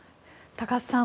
高須さん